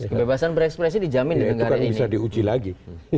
kebebasan berekspresi dijamin di negara ini